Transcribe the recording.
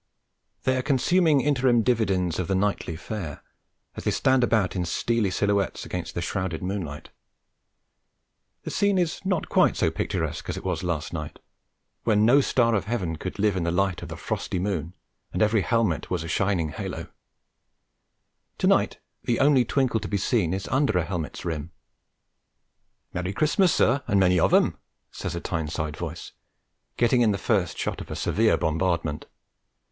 They are consuming interim dividends of the nightly fare, as they stand about in steely silhouette against the shrouded moonlight. The scene is not quite so picturesque as it was last night, when no star of heaven could live in the light of the frosty moon and every helmet was a shining halo; to night the only twinkle to be seen is under a helmet's rim. 'Merry Christmas, sir, an' many of 'em,' says a Tyneside voice, getting in the first shot of a severe bombardment.